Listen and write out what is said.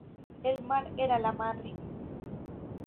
El mar era la madre.